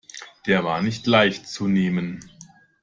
Der war nicht leicht zu nehmen.